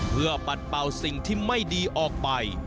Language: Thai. เพื่อปัดเป่าสิ่งที่ไม่ดีออกไป